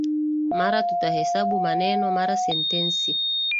Mara tutahesabu maneno mara sentensi